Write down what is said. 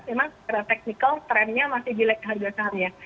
memang secara teknikal trendnya masih gilek harga sahamnya